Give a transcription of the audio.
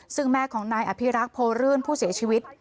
ซึ่งแม่ของนายอภิรักษ์โพรื่นผู้เสียชีวิต